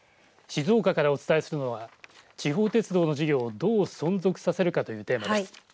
静岡からお伝えするのは地方鉄道の事業をどう存続させるかというテーマです。